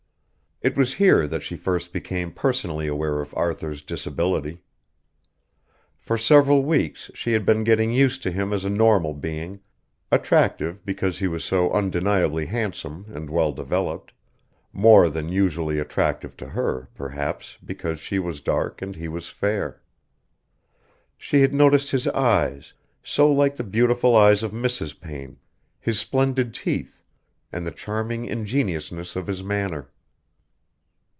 It was here that she first became personally aware of Arthur's disability. For several weeks she had been getting used to him as a normal being, attractive because he was so undeniably handsome and well developed, more than usually attractive to her, perhaps, because she was dark and he was fair. She had noticed his eyes, so like the beautiful eyes of Mrs. Payne, his splendid teeth, and the charming ingenuousness of his manner.